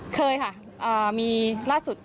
เคยค่ะมีล่าสุด